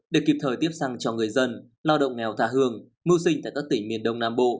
để kịp thời tiếp xăng cho người dân lao động nghèo thà hương mưu sinh tại các tỉnh miền đông nam bộ